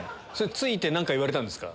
着いて何か言われたんですか？